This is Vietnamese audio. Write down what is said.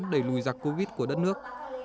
đẩy lùi giặc covid của đất nước